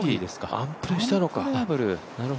アンプレしたのか。